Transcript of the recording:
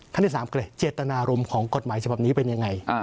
ขั้นที่สามก็เลยเจตนารมณ์ของกฎหมายเฉพาะนี้เป็นอย่างไร